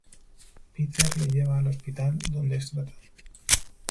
Peter le lleva al hospital, donde es tratado.